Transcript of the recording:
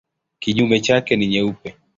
Kinyume chake ni nyeupe.